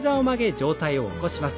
上体を起こします。